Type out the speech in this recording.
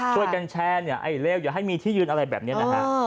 ช่วยกันแชร์เนี่ยไอ้เลวอย่าให้มีที่ยืนอะไรแบบนี้นะฮะ